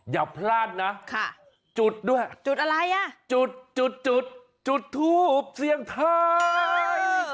อย่าพลาดนะจุดด้วยจุดอะไรอ่ะจุดจุดจุดทูบเสียงทาย